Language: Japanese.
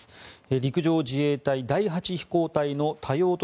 陸上自衛隊第８飛行隊の多用途